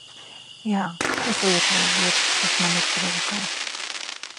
Jā, es lietoju lietas kas man ir pa rokai.